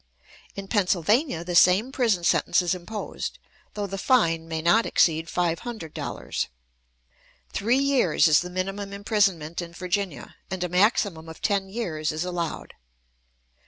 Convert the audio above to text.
In Pennsylvania the same prison sentence is imposed, though the fine may not exceed five hundred dollars. Three years is the minimum imprisonment in Virginia, and a maximum of ten years is allowed.